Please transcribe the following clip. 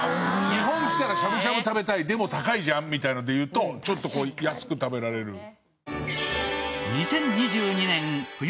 日本来たらしゃぶしゃぶ食べたいでも高いじゃんみたいなのでいうとちょっと安く食べられる。